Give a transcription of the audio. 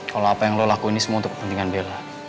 kalau apa yang lo lakuin ini semua untuk kepentingan bella